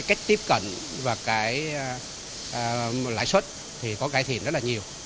cách tiếp cận và cái lãi suất thì có cải thiện rất là nhiều